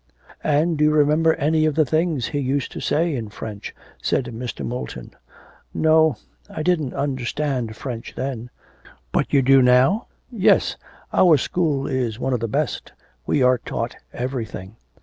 'And do you remember any of the things he used to say in French?' said Mr. Moulton. 'No; I didn't understand French then.' 'But you do now?' 'Yes. Our school is one of the best; we are taught everything.'